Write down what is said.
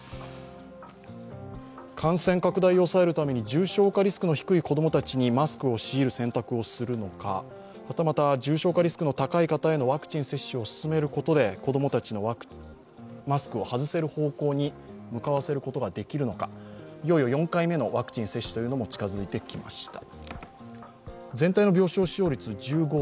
感染拡大を抑えるために重症化リスクの低い子供たちにマスクを強いる選択をするのかはたまた重症化リスクの高い方へのワクチン接種を進めることで子供たちのマスクを外せる方向に向かわせることができるのか、いよいよ４回目のワクチン接種というのも近付いてきました。